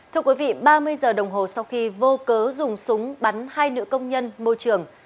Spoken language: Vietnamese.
thưa quý vị ba mươi giờ đồng hồ sau khi vô cớ dùng súng bắn hai nữ công nhân môi trường